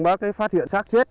bác phát hiện sát chết